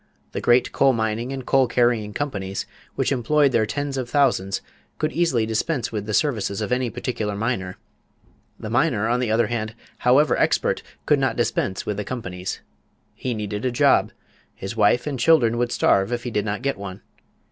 The great coal mining and coal carrying companies which employed their tens of thousands could easily dispense with the services of any particular miner. The miner, on the other hand, however expert, could not dispense with the companies. He needed a job; his wife and children would starve if he did not get one....